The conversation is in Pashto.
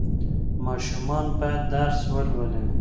ماشومان باید درس ولولي.